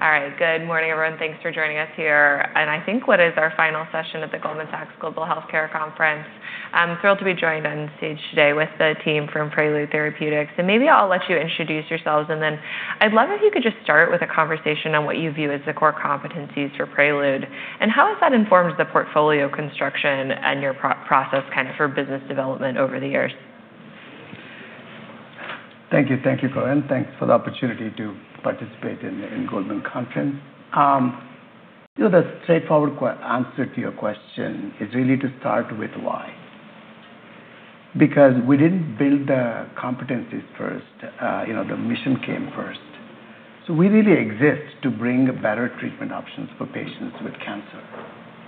All right. Good morning, everyone. Thanks for joining us here in, I think, what is our final session of the Goldman Sachs Global Healthcare Conference. I'm thrilled to be joined on stage today with the team from Prelude Therapeutics. And maybe I'll let you introduce yourselves, and then I'd love if you could just start with a conversation on what you view as the core competencies for Prelude, and how has that informed the portfolio construction and your process for business development over the years? Thank you, Colleen. Thanks for the opportunity to participate in Goldman Conference. The straightforward answer to your question is really to start with why. We didn't build the competencies first. The mission came first. We really exist to bring better treatment options for patients with cancer,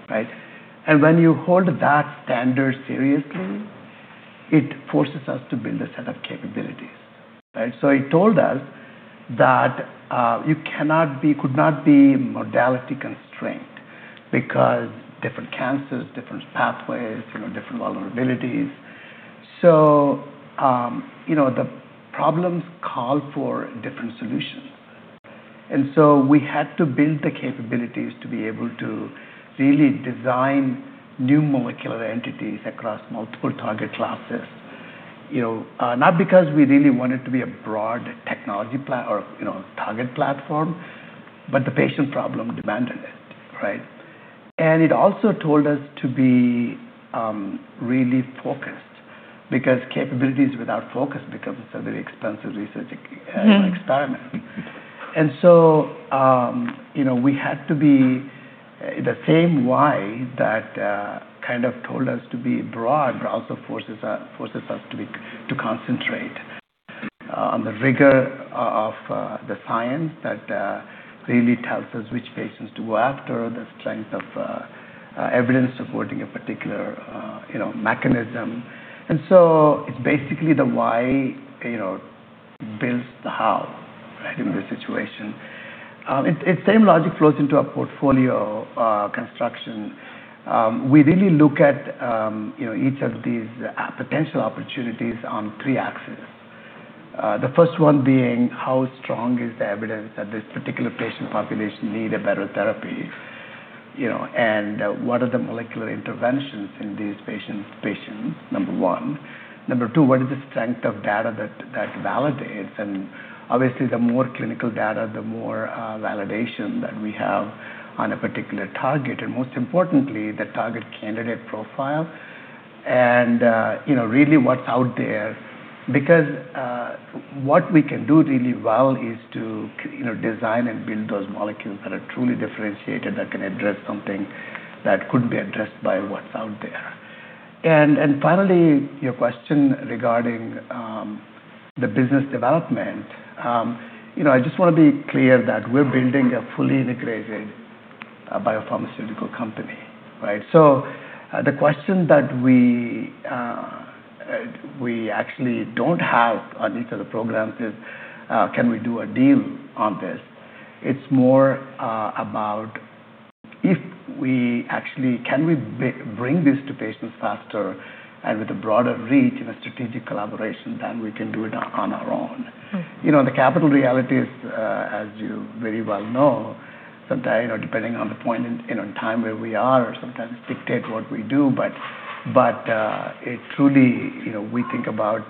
right? When you hold that standard seriously, it forces us to build a set of capabilities, right? It told us that you could not be modality-constrained because different cancers, different pathways, different vulnerabilities. The problems call for different solutions. We had to build the capabilities to be able to really design new molecular entities across multiple target classes. Not because we really wanted to be a broad technology or target platform, but the patient problem demanded it, right? It also told us to be really focused, because capabilities without focus becomes a very expensive research experiment. We had to be the same why that told us to be broad, but also forces us to concentrate on the rigor of the science that really tells us which patients to go after, the strength of evidence supporting a particular mechanism. It's basically the why builds the how in this situation. The same logic flows into our portfolio construction. We really look at each of these potential opportunities on three axes. The first one being how strong is the evidence that this particular patient population need a better therapy, and what are the molecular interventions in these patients, number one. Number two, what is the strength of data that validates? Obviously, the more clinical data, the more validation that we have on a particular target, and most importantly, the target candidate profile, and really what's out there. What we can do really well is to design and build those molecules that are truly differentiated that can address something that couldn't be addressed by what's out there. Finally, your question regarding the business development. I just want to be clear that we're building a fully integrated biopharmaceutical company, right? The question that we actually don't have on each of the programs is can we do a deal on this? It's more about can we bring this to patients faster and with a broader reach and a strategic collaboration than we can do it on our own. The capital reality is, as you very well know, sometimes depending on the point in time where we are sometimes dictate what we do. Truly, we think about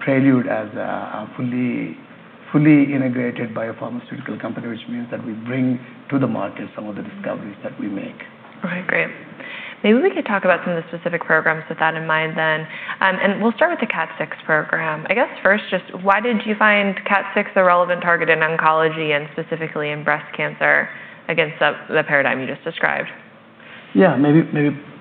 Prelude as a fully integrated biopharmaceutical company, which means that we bring to the market some of the discoveries that we make. All right, great. Maybe we could talk about some of the specific programs with that in mind then. We'll start with the KAT6 program. I guess first, just why did you find KAT6 a relevant target in oncology and specifically in breast cancer against the paradigm you just described? Yeah. Maybe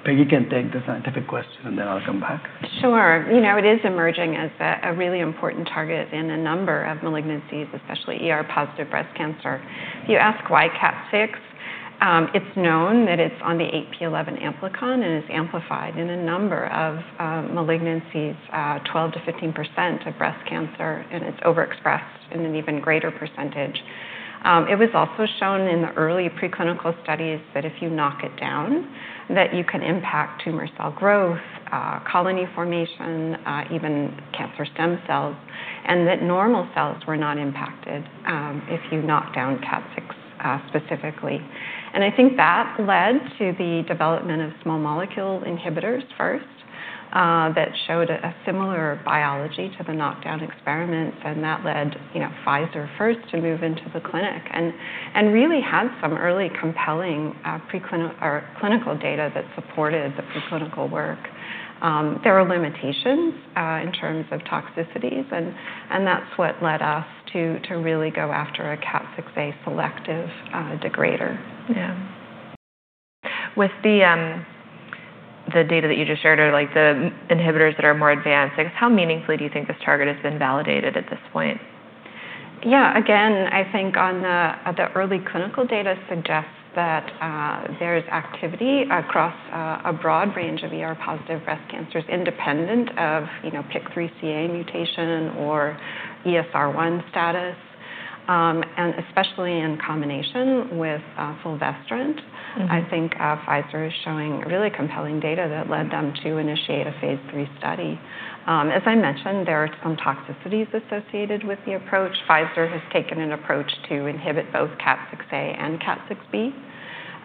Peggy can take the scientific question, I'll come back. Sure. It is emerging as a really important target in a number of malignancies, especially ER-positive breast cancer. If you ask why KAT6, it's known that it's on the 8p11 amplicon and is amplified in a number of malignancies, 12%-15% of breast cancer, it's overexpressed in an even greater percentage. It was also shown in the early preclinical studies that if you knock it down, that you can impact tumor cell growth, colony formation, even cancer stem cells, and that normal cells were not impacted if you knock down KAT6 specifically. I think that led to the development of small molecule inhibitors first that showed a similar biology to the knockdown experiments, that led Pfizer first to move into the clinic, really had some early compelling clinical data that supported the preclinical work. There were limitations in terms of toxicities, that's what led us to really go after a KAT6A selective degrader. Yeah. With the data that you just shared or the inhibitors that are more advanced, I guess how meaningfully do you think this target has been validated at this point? Yeah. Again, I think the early clinical data suggests that there is activity across a broad range of ER-positive breast cancers independent of PIK3CA mutation or ESR1 status, especially in combination with fulvestrant. I think Pfizer is showing really compelling data that led them to initiate a Phase III study. As I mentioned, there are some toxicities associated with the approach. Pfizer has taken an approach to inhibit both KAT6A and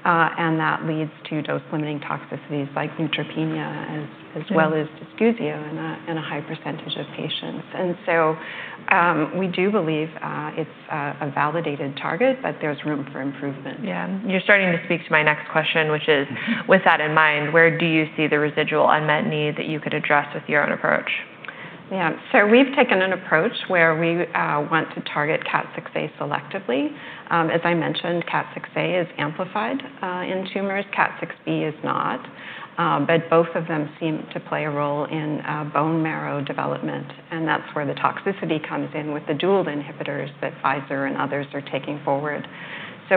KAT6B. That leads to dose-limiting toxicities like neutropenia. Yeah As dysgeusia in a high percentage of patients. We do believe it's a validated target, but there's room for improvement. Yeah. You're starting to speak to my next question, which is, with that in mind, where do you see the residual unmet need that you could address with your own approach? Yeah. We've taken an approach where we want to target KAT6A selectively. As I mentioned, KAT6A is amplified in tumors. KAT6B is not. Both of them seem to play a role in bone marrow development, and that's where the toxicity comes in with the dual inhibitors that Pfizer and others are taking forward.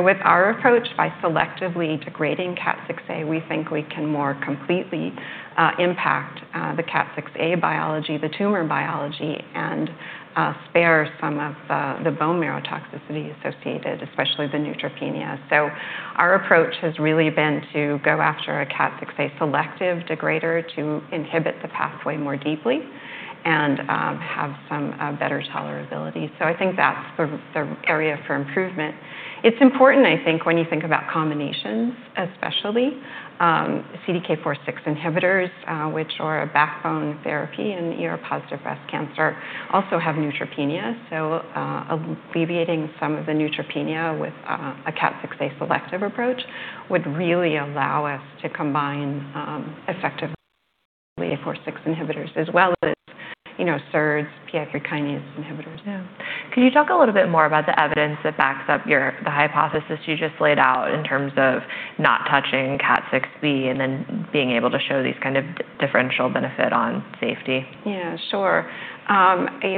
With our approach, by selectively degrading KAT6A, we think we can more completely impact the KAT6A biology, the tumor biology, and spare some of the bone marrow toxicity associated, especially the neutropenia. Our approach has really been to go after a KAT6A selective degrader to inhibit the pathway more deeply and have some better tolerability. I think that's the area for improvement. It's important, I think, when you think about combinations, especially. CDK4/6 inhibitors, which are a backbone therapy in ER-positive breast cancer, also have neutropenia. Alleviating some of the neutropenia with a KAT6A selective approach would really allow us to combine effective KAT6 inhibitors as well as SERDs, PI3 kinase inhibitors. Yeah. Can you talk a little bit more about the evidence that backs up the hypothesis you just laid out in terms of not touching KAT6B and then being able to show these kinds of differential benefit on safety? Yeah, sure.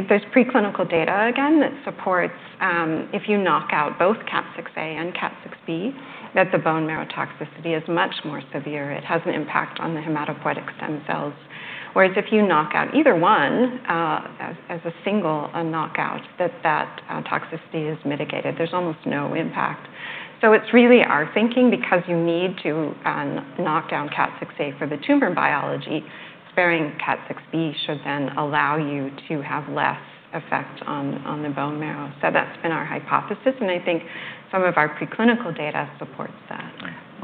There's preclinical data, again, that supports if you knock out both KAT6A and KAT6B, that the bone marrow toxicity is much more severe. It has an impact on the hematopoietic stem cells. Whereas if you knock out either one as a single knockout, that toxicity is mitigated. There's almost no impact. It's really our thinking because you need to knock down KAT6A for the tumor biology, sparing KAT6B should then allow you to have less effect on the bone marrow. That's been our hypothesis, and I think some of our preclinical data supports that.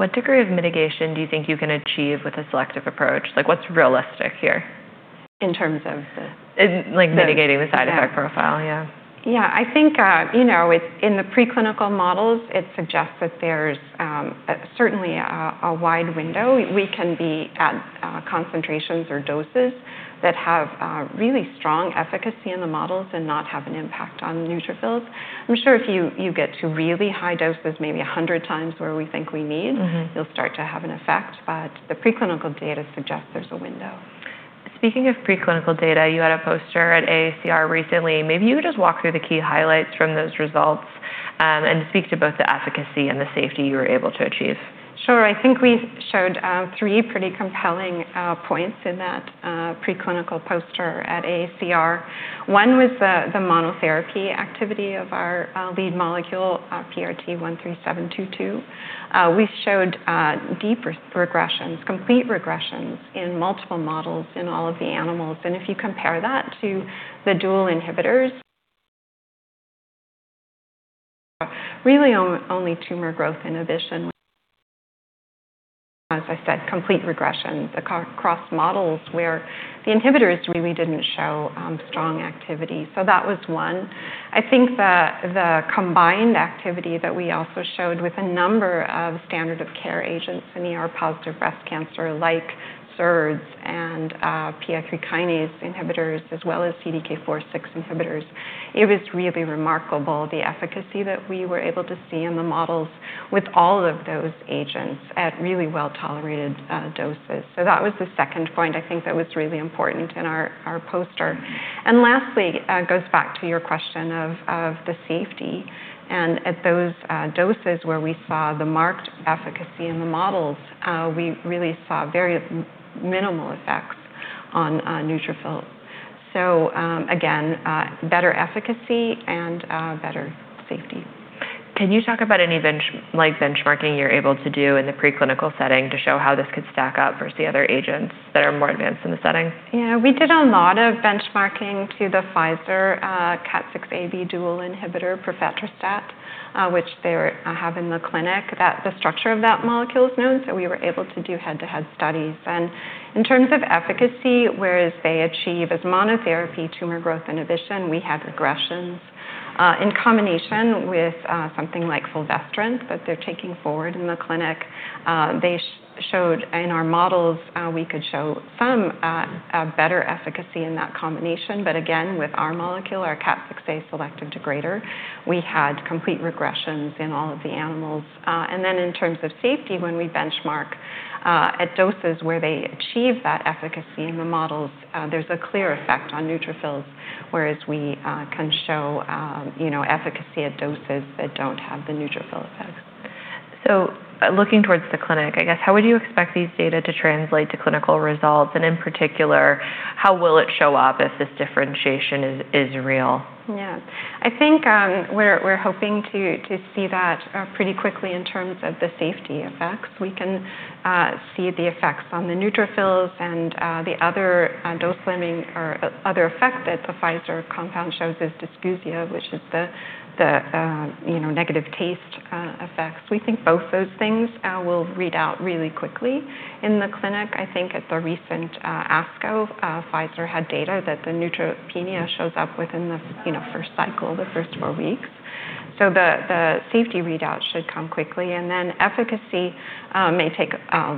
What degree of mitigation do you think you can achieve with a selective approach? Like what's realistic here? In terms of the- Like mitigating the side effect profile. Yeah. Yeah. I think in the preclinical models, it suggests that there's certainly a wide window. We can be at concentrations or doses that have really strong efficacy in the models and not have an impact on neutrophils. I'm sure if you get to really high doses, maybe 100x where we think we need. You'll start to have an effect. The preclinical data suggests there's a window. Speaking of preclinical data, you had a poster at AACR recently. Maybe you just walk through the key highlights from those results and speak to both the efficacy and the safety you were able to achieve. Sure. I think we showed three pretty compelling points in that preclinical poster at AACR. One was the monotherapy activity of our lead molecule, PRT00,3722. We showed deep regressions, complete regressions in multiple models in all of the animals. If you compare that to the dual inhibitors, really only tumor growth inhibition. As I said, complete regressions across models where the inhibitors really didn't show strong activity. That was one. I think the combined activity that we also showed with a number of standard of care agents in ER-positive breast cancer, like SERDs and PI3 kinase inhibitors, as well as CDK4/6 inhibitors, it was really remarkable the efficacy that we were able to see in the models with all of those agents at really well-tolerated doses. That was the second point I think that was really important in our poster. Lastly, goes back to your question of the safety. At those doses where we saw the marked efficacy in the models, we really saw very minimal effects on neutrophils. Again, better efficacy and better safety. Can you talk about any benchmarking you're able to do in the preclinical setting to show how this could stack up versus the other agents that are more advanced in the setting? Yeah. We did a lot of benchmarking to the Pfizer KAT6A/B dual inhibitor, prifetrastat, which they have in the clinic. The structure of that molecule is known, we were able to do head-to-head studies. In terms of efficacy, whereas they achieve as monotherapy tumor growth inhibition, we have regressions. In combination with something like fulvestrant that they're taking forward in the clinic, in our models, we could show some better efficacy in that combination. Again, with our molecule, our KAT6A selective degrader, we had complete regressions in all of the animals. In terms of safety, when we benchmark at doses where they achieve that efficacy in the models, there's a clear effect on neutrophils, whereas we can show efficacy at doses that don't have the neutrophil effect. Looking towards the clinic, I guess, how would you expect these data to translate to clinical results? In particular, how will it show up if this differentiation is real? Yeah. I think we're hoping to see that pretty quickly in terms of the safety effects. We can see the effects on the neutrophils and the other dose-limiting or other effect that the Pfizer compound shows is dysgeusia, which is the negative taste effects. We think both those things will read out really quickly in the clinic. I think at the recent ASCO, Pfizer had data that the neutropenia shows up within the first cycle, the first four weeks. The safety readout should come quickly, and then efficacy may take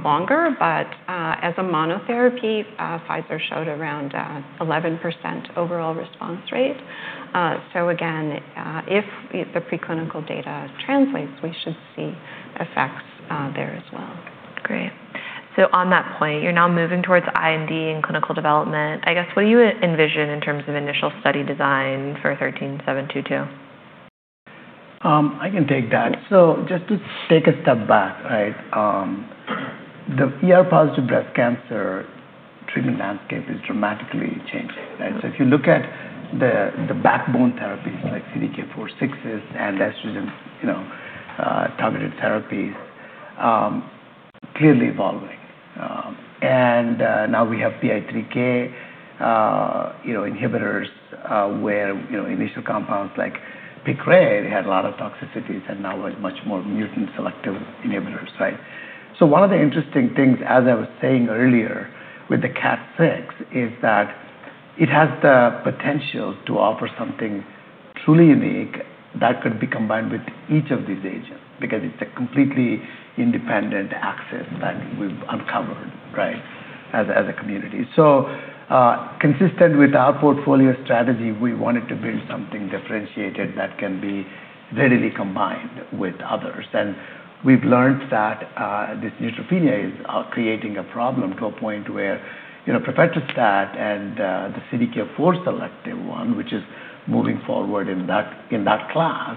longer, but as a monotherapy, Pfizer showed around 11% overall response rate. Again, if the preclinical data translates, we should see effects there as well. Great. On that point, you're now moving towards IND and clinical development. I guess, what do you envision in terms of initial study design for PRT13722? I can take that. Just to take a step back, right? The ER-positive breast cancer treatment landscape is dramatically changing, right? If you look at the backbone therapies like CDK4/6 and estrogen targeted therapies, clearly evolving. And now we have PI3K inhibitors where initial compounds like Piqray had a lot of toxicities and now there's much more mutant-selective inhibitors, right? One of the interesting things, as I was saying earlier with the KAT6, is that it has the potential to offer something truly unique that could be combined with each of these agents, because it's a completely independent axis that we've uncovered, right, as a community. Consistent with our portfolio strategy, we wanted to build something differentiated that can be readily combined with others. We've learned that this neutropenia is creating a problem to a point where, you know, palbociclib and the CDK4 selective one, which is moving forward in that class,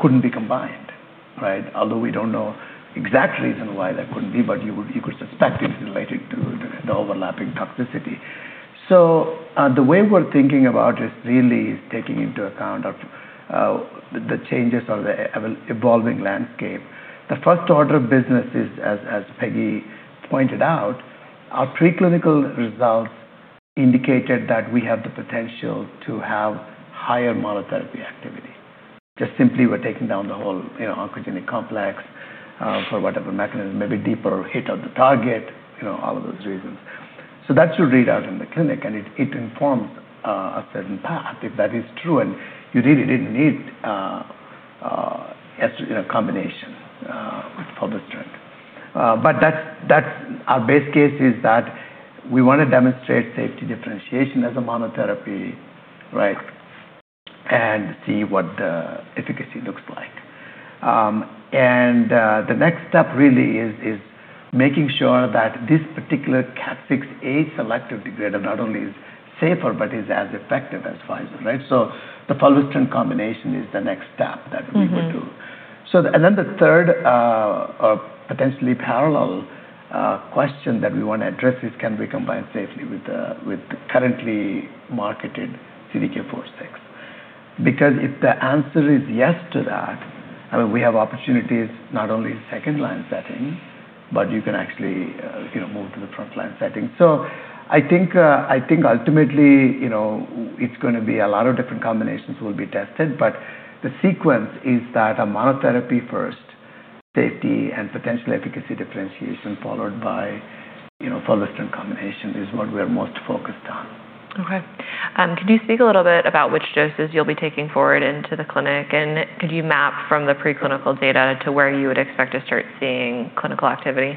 couldn't be combined, right? We don't know exact reason why that couldn't be, but you could suspect it's related to the overlapping toxicity. The way we're thinking about this really is taking into account of the changes of the evolving landscape. The first order of business is, as Peggy pointed out, our preclinical results indicated that we have the potential to have higher monotherapy activity. Just simply we're taking down the whole oncogenic complex for whatever mechanism, maybe deeper hit of the target, all of those reasons. That should read out in the clinic, and it informs a certain path if that is true, and you really didn't need estrogen in combination with palbociclib. Our base case is that we want to demonstrate safety differentiation as a monotherapy, right, and see what the efficacy looks like. The next step really is making sure that this particular KAT6A selective degrader not only is safer but is as effective as Pfizer, right? The palbociclib combination is the next step that we will do. The third, potentially parallel, question that we want to address is can we combine safely with the currently marketed CDK4/6? If the answer is yes to that, we have opportunities not only in second-line settings, but you can actually move to the front-line setting. I think ultimately it's going to be a lot of different combinations will be tested, but the sequence is that a monotherapy first, safety and potential efficacy differentiation followed by palbociclib combination is what we are most focused on. Okay. Could you speak a little bit about which doses you'll be taking forward into the clinic, and could you map from the preclinical data to where you would expect to start seeing clinical activity?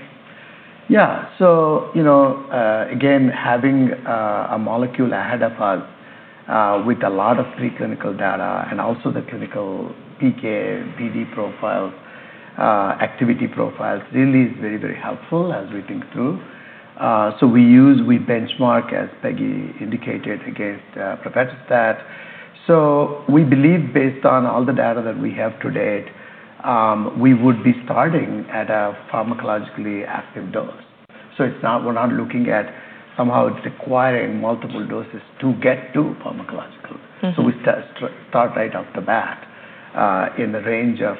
Again, having a molecule ahead of us with a lot of preclinical data and also the clinical PK/PD profile, activity profiles really is very, very helpful as we think through. We use, we benchmark, as Peggy indicated, against palbociclib. We believe based on all the data that we have to date, we would be starting at a pharmacologically active dose. We're not looking at somehow it's requiring multiple doses to get to pharmacological. We start right off the bat in the range of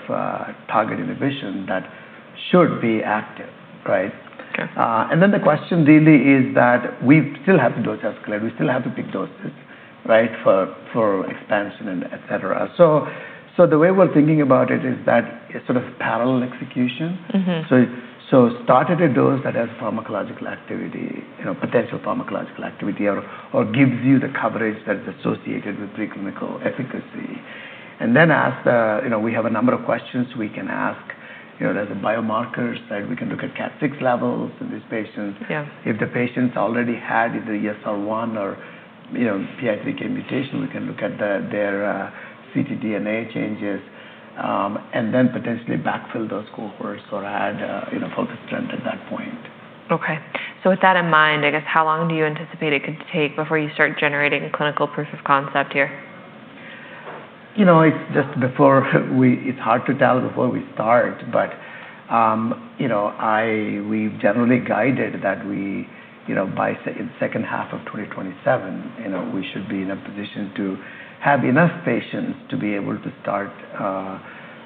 target inhibition that should be active, right? Okay. The question really is that we still have to dose escalate, we still have to pick doses, right, for expansion and et cetera. The way we're thinking about it is that it's sort of parallel execution. Start at a dose that has pharmacological activity, potential pharmacological activity, or gives you the coverage that is associated with preclinical efficacy. We have a number of questions we can ask. There's the biomarkers that we can look at KAT6 levels in these patients. Yeah. If the patients already had either ESR1 or PI3K mutation, we can look at their ctDNA changes, and then potentially backfill those cohorts or add palbociclib at that point. With that in mind, I guess how long do you anticipate it could take before you start generating clinical proof of concept here? It's hard to tell before we start, but we've generally guided that by second half of 2027, we should be in a position to have enough patients to be able to start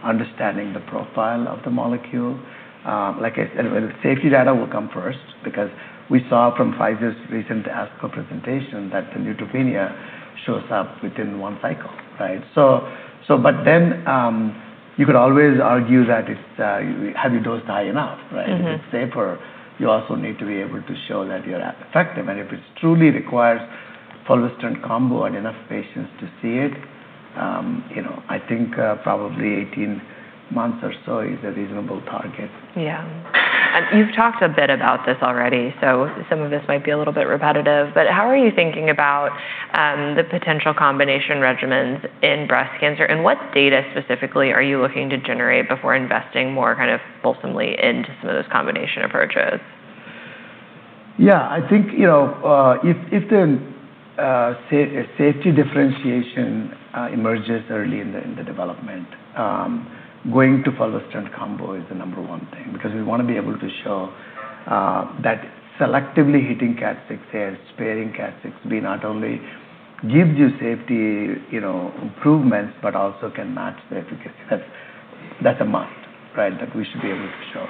understanding the profile of the molecule. Like I said, the safety data will come first because we saw from Pfizer's recent ASCO presentation that the neutropenia shows up within one cycle, right? You could always argue that, have you dosed high enough, right? If it's safer, you also need to be able to show that you're effective. If it truly requires fulvestrant combo on enough patients to see it, I think probably 18 months or so is a reasonable target. Yeah. You've talked a bit about this already, some of this might be a little bit repetitive, how are you thinking about the potential combination regimens in breast cancer? What data specifically are you looking to generate before investing more kind of fulsomely into some of those combination approaches? Yeah. I think, if the safety differentiation emerges early in the development, going to fulvestrant combo is the number 1 thing, we want to be able to show that selectively hitting KAT6A, sparing KAT6B not only gives you safety improvements, also can match the efficacy. That's a must. Right? That we should be able to show.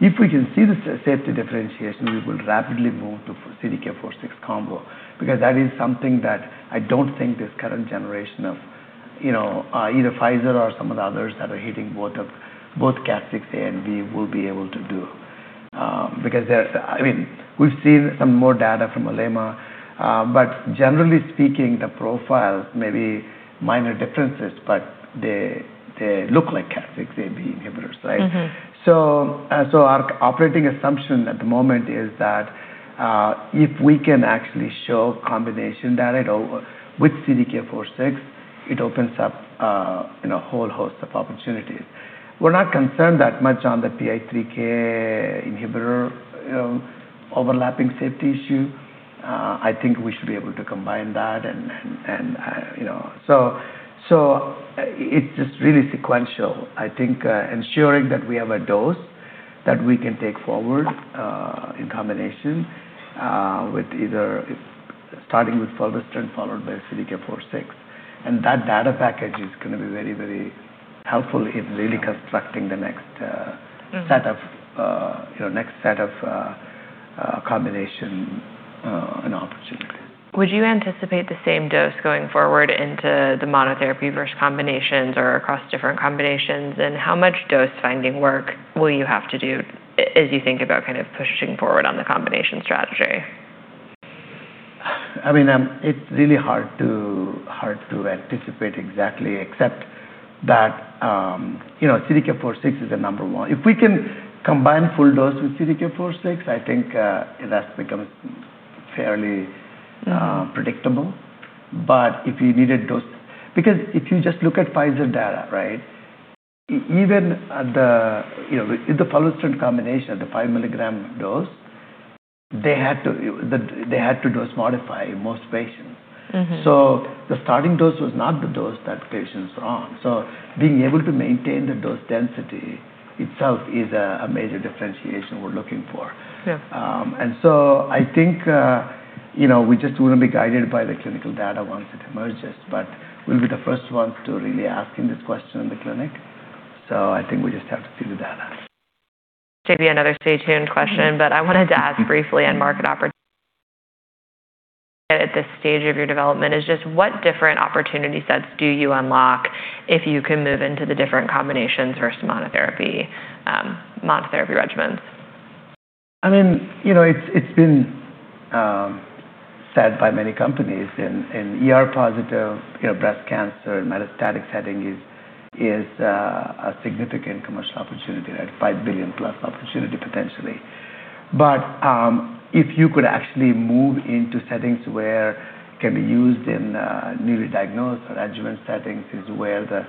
If we can see the safety differentiation, we will rapidly move to CDK4/6 combo, that is something that I don't think this current generation of either Pfizer or some of the others that are hitting both KAT6A and KAT6B will be able to do. We've seen some more data from Alema, generally speaking, the profiles may be minor differences, they look like KAT6A/B inhibitors, right? Our operating assumption at the moment is that, if we can actually show combination data with CDK4/6, it opens up a whole host of opportunities. We're not concerned that much on the PI3K inhibitor overlapping safety issue. I think we should be able to combine that, it's just really sequential. I think ensuring that we have a dose that we can take forward, in combination, starting with fulvestrant, followed by CDK4/6. That data package is going to be very, very helpful in really constructing the next- Set of combination and opportunity. Would you anticipate the same dose going forward into the monotherapy versus combinations or across different combinations? How much dose-finding work will you have to do as you think about pushing forward on the combination strategy? It's really hard to anticipate exactly, except that CDK4/6 is the number one. If we can combine full dose with CDK4/6, I think that becomes fairly predictable. If you needed dose. If you just look at Pfizer data, right? With the fulvestrant combination at the five-milligram dose, they had to dose modify most patients. The starting dose was not the dose that patient's on. Being able to maintain the dose density itself is a major differentiation we're looking for. Yeah. I think we just want to be guided by the clinical data once it emerges, but we'll be the first ones to really ask this question in the clinic. I think we just have to see the data. Maybe another stay tuned question. I wanted to ask briefly on market opportunities at this stage of your development is just what different opportunity sets do you unlock if you can move into the different combinations versus monotherapy regimens? It's been said by many companies in ER-positive breast cancer, metastatic setting is a significant commercial opportunity, right? $5 billion+ opportunity potentially. If you could actually move into settings where it can be used in newly diagnosed or adjuvant settings is where the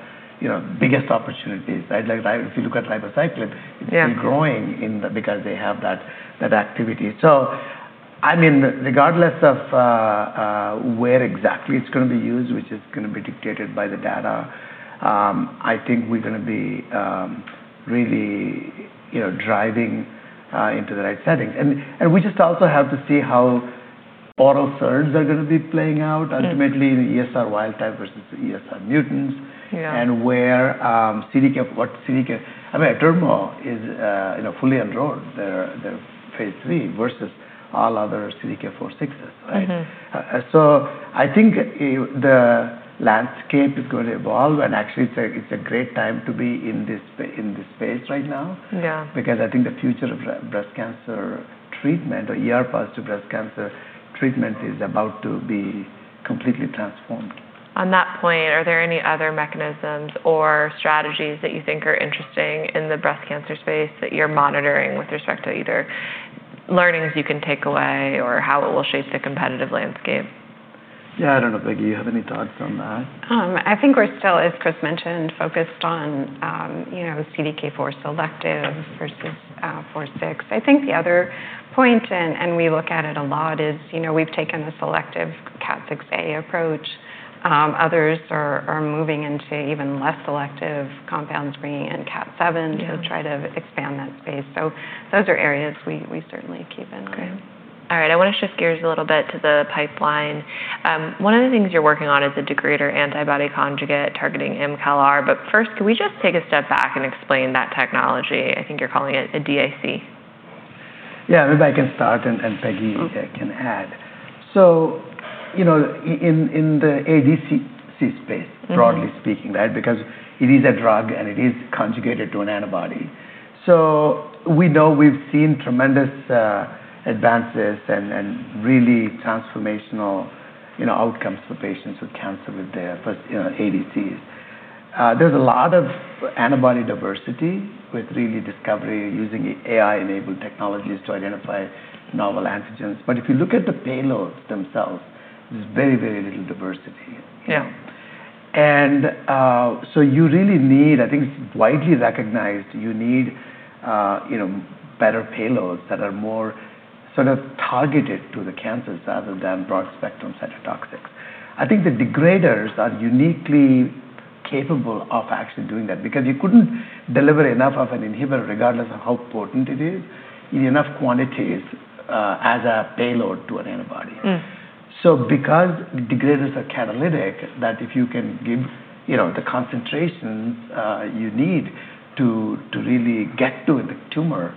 biggest opportunity is, right? If you look at ribociclib. Yeah It's still growing because they have that activity. Regardless of where exactly it's going to be used, which is going to be dictated by the data, I think we're going to be really driving into the right setting. We just also have to see how oral SERDs are going to be playing out. Yeah Ultimately in the ESR1 wild type versus the ESR mutants. Yeah. I mean, Athenex is fully enrolled their phase III versus all other CDK4/6s, right? I think the landscape is going to evolve, actually, it's a great time to be in this space right now. Yeah. I think the future of breast cancer treatment or ER-positive breast cancer treatment is about to be completely transformed. On that point, are there any other mechanisms or strategies that you think are interesting in the breast cancer space that you're monitoring with respect to either learnings you can take away or how it will shape the competitive landscape? Yeah, I don't know, Peggy, you have any thoughts on that? I think we're still, as Kris mentioned, focused on CDK4 selective versus 4/6. I think the other point, and we look at it a lot, is we've taken the selective KAT6A approach. Others are moving into even less selective compounds, bringing in KAT7. Yeah To try to expand that space. Those are areas we certainly keep an eye on. Great. All right. I want to shift gears a little bit to the pipeline. One of the things you're working on is a degrader antibody conjugate targeting mCALR, first, can we just take a step back and explain that technology? I think you're calling it a DAC. Yeah, maybe I can start, and Peggy can add. In the ADC space broadly speaking, because it is a drug, and it is conjugated to an antibody. We know we've seen tremendous advances and really transformational outcomes for patients with cancer with their first ADCs. There's a lot of antibody diversity with really discovery using AI-enabled technologies to identify novel antigens. If you look at the payloads themselves, there's very little diversity. Yeah. You really need, I think it's widely recognized, you need better payloads that are more sort of targeted to the cancers rather than broad-spectrum cytotoxics. I think the degraders are uniquely capable of actually doing that, because you couldn't deliver enough of an inhibitor, regardless of how potent it is, in enough quantities as a payload to an antibody. Because degraders are catalytic, that if you can give the concentrations you need to really get to the tumor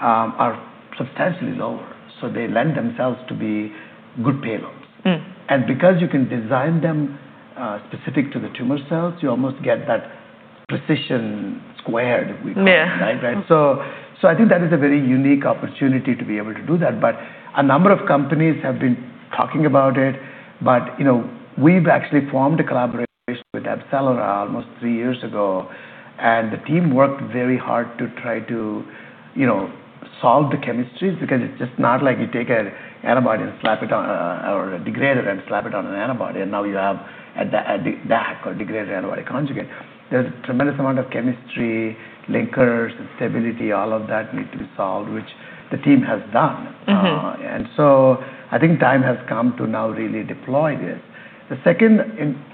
are substantially lower, so they lend themselves to be good payloads. Because you can design them specific to the tumor cells, you almost get that precision squared, we call it. Yeah. Right? I think that is a very unique opportunity to be able to do that, but a number of companies have been talking about it. We've actually formed a collaboration with AbCellera almost three years ago, and the team worked very hard to try to solve the chemistries, because it's just not like you take an antibody and slap it on, or a degrader and slap it on an antibody, and now you have a DAC or degrader antibody conjugate. There's a tremendous amount of chemistry, linkers, and stability, all of that need to be solved, which the team has done. I think time has come to now really deploy this. The second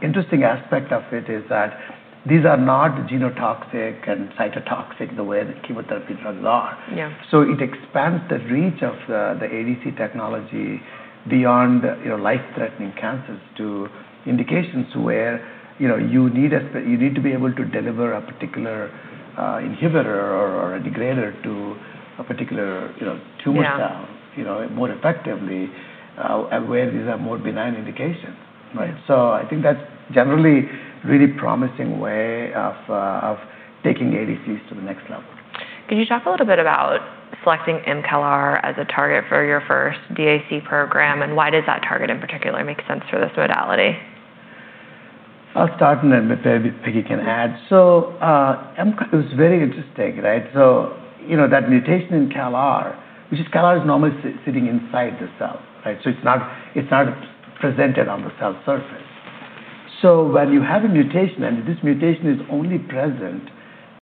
interesting aspect of it is that these are not genotoxic and cytotoxic the way the chemotherapy drugs are. Yeah. It expands the reach of the ADC technology beyond life-threatening cancers to indications where you need to be able to deliver a particular inhibitor or a degrader to a particular tumor cell. Yeah More effectively, where these are more benign indications. Right. I think that's generally a really promising way of taking ADCs to the next level. Could you talk a little bit about selecting mCALR as a target for your first DAC program, why does that target in particular make sense for this modality? I'll start, then maybe Peggy can add. It was very interesting, right? That mutation in CALR, which is CALR is normally sitting inside the cell, right? It's not presented on the cell surface. When you have a mutation, this mutation is only present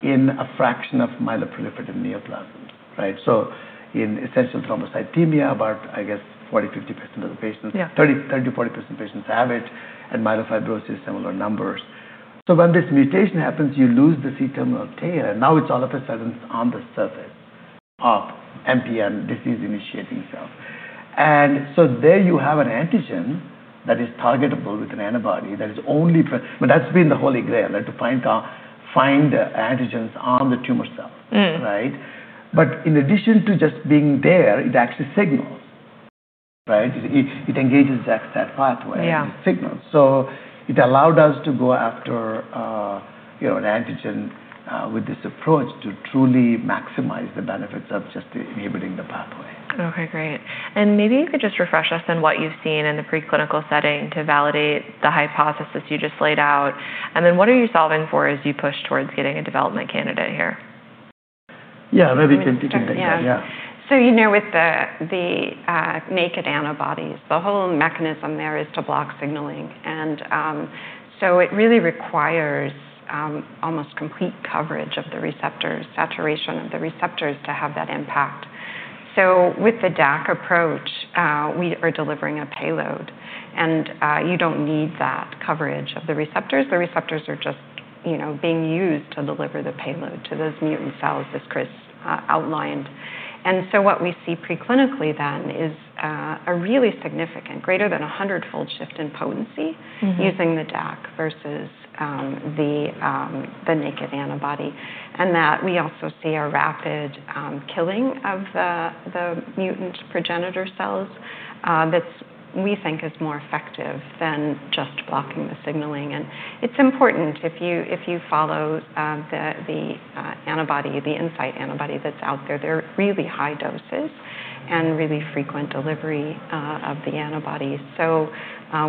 in a fraction of myeloproliferative neoplasms. In essential thrombocythemia, about I guess 40%-50% of the patients. Yeah. 30%-40% of patients have it, myelofibrosis, similar numbers. When this mutation happens, you lose the C-terminal tail, now it's all of a sudden on the surface of MPN disease-initiating cells. There you have an antigen that is targetable with an antibody that is only That's been the holy grail, to find the antigens on the tumor cells. Right? In addition to just being there, it actually signals. Right? It engages that. Yeah Signals. It allowed us to go after an antigen with this approach to truly maximize the benefits of just inhibiting the pathway. Okay, great. Maybe you could just refresh us on what you've seen in the preclinical setting to validate the hypothesis you just laid out, and then what are you solving for as you push towards getting a development candidate here? Yeah. Maybe you can take that. Yeah. With the naked antibodies, the whole mechanism there is to block signaling. It really requires almost complete coverage of the receptors, saturation of the receptors to have that impact. With the DAC approach, we are delivering a payload, you don't need that coverage of the receptors. The receptors are just being used to deliver the payload to those mutant cells, as Kris outlined. What we see preclinically then is a really significant, greater than a 100-fold shift in potency- using the DAC versus the naked antibody. That we also see a rapid killing of the mutant progenitor cells that we think is more effective than just blocking the signaling. It's important if you follow the antibody, the Incyte antibody that's out there, they're really high doses and really frequent delivery of the antibodies.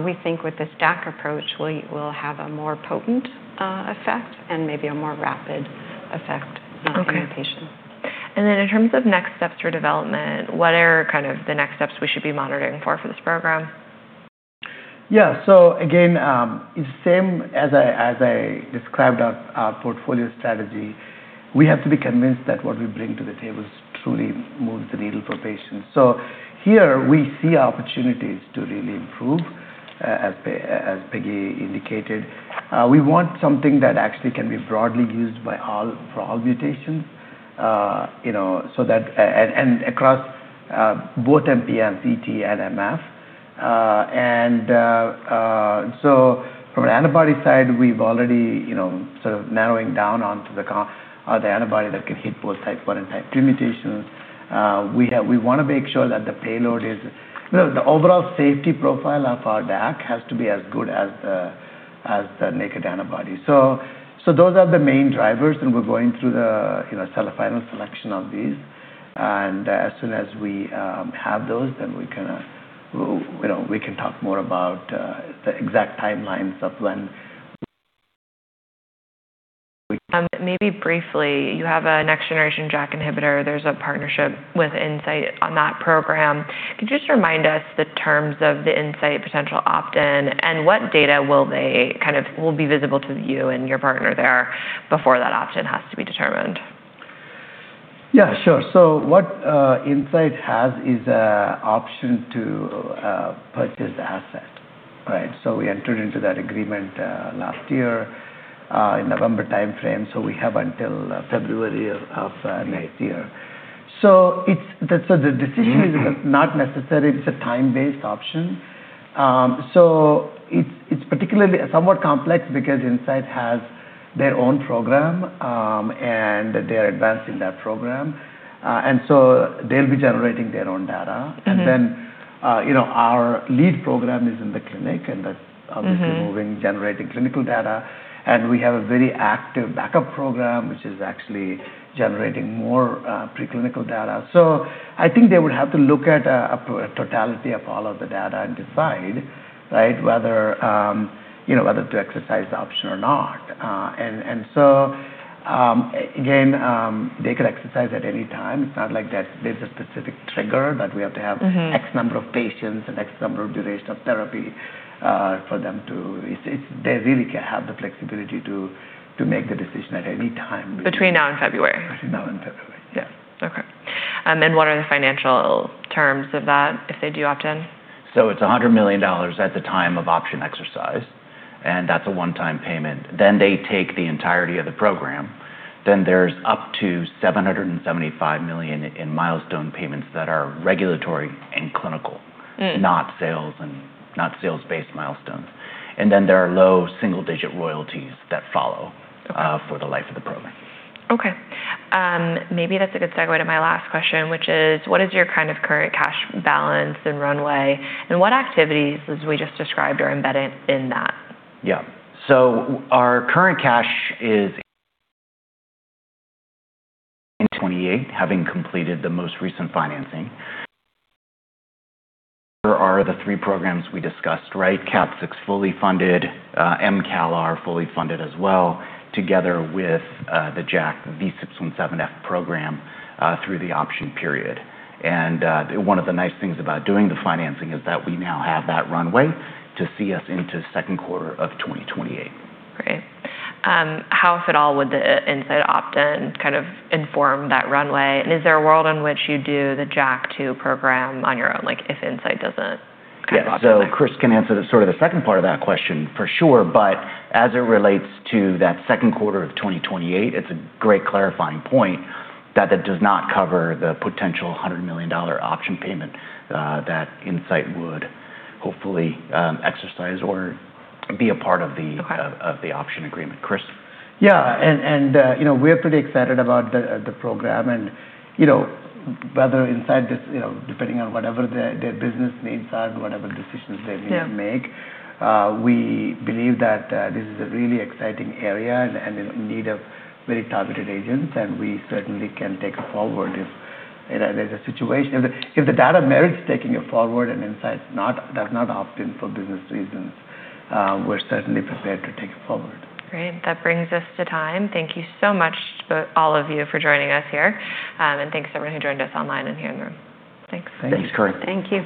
We think with this DAC approach, we'll have a more potent effect and maybe a more rapid effect- Okay In the patient. In terms of next steps for development, what are kind of the next steps we should be monitoring for this program? Yeah. Again, it's the same as I described our portfolio strategy. We have to be convinced that what we bring to the table truly moves the needle for patients. Here we see opportunities to really improve, as Peggy indicated. We want something that actually can be broadly used for all mutations, and across both MPN, ET, and MF. From an antibody side, we've already sort of narrowing down onto the antibody that can hit both type 1 and type 2 mutations. We want to make sure that the payload is. The overall safety profile of our DAC has to be as good as the naked antibody. Those are the main drivers, and we're going through the final selection of these. As soon as we have those, then we can talk more about the exact timelines of when we. Maybe briefly, you have a next-generation JAK inhibitor. There's a partnership with Incyte on that program. Can you just remind us the terms of the Incyte potential opt-in, and what data will be visible to you and your partner there before that option has to be determined? Yeah, sure. What Incyte has is a option to purchase the asset, right? We entered into that agreement last year, in November timeframe, so we have until February of next year. The decision is not necessary. It's a time-based option. It's particularly somewhat complex because Incyte has their own program, and they are advancing that program. They'll be generating their own data. Our lead program is in the clinic, and that's. Obviously moving, generating clinical data. We have a very active backup program, which is actually generating more preclinical data. I think they would have to look at a totality of all of the data and decide, right, whether to exercise the option or not. Again, they could exercise at any time. It's not like there's a specific trigger that we have to have- X number of patients and X number of duration of therapy, They really have the flexibility to make the decision at any time between- Between now and February. Between now and February. Yeah. Okay. What are the financial terms of that if they do opt-in? It's $100 million at the time of option exercise, and that's a one-time payment. They take the entirety of the program. There's up to $775 million in milestone payments that are regulatory and clinical. Not sales-based milestones. There are low single-digit royalties that follow. Okay For the life of the program. Okay. Maybe that's a good segue to my last question, which is: what is your kind of current cash balance and runway, and what activities, as we just described, are embedded in that? Yeah. Our current cash is in 2028, having completed the most recent financing. There are the three programs we discussed, right? KAT6A fully funded, mCALR fully funded as well, together with the JAK2 V617F program through the option period. One of the nice things about doing the financing is that we now have that runway to see us into second quarter of 2028. Great. How, if at all, would the Incyte opt-in kind of inform that runway? Is there a world in which you do the JAK2 program on your own, like if Incyte doesn't kind of opt in? Yeah. Kris can answer the sort of the second part of that question for sure, but as it relates to that second quarter of 2028, it's a great clarifying point that that does not cover the potential $100 million option payment that Incyte would hopefully exercise. Okay Of the option agreement. Kris? Yeah. We're pretty excited about the program and whether Incyte, depending on whatever their business needs are, whatever decisions they need to make- Yeah We believe that this is a really exciting area and in need of very targeted agents, and we certainly can take it forward if there's a situation. If the data merits taking it forward and Incyte does not opt-in for business reasons, we're certainly prepared to take it forward. Great. That brings us to time. Thank you so much to all of you for joining us here, and thanks everyone who joined us online and in here in the room. Thanks. Thanks. Thanks. Thank you.